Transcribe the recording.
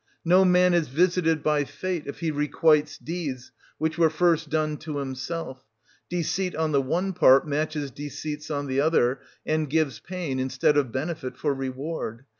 No man is visited by fate if he requites deeds which were first done to himself; deceit on the one part 230 matches deceits on the other, and gives pain, instead of benefit, for reward.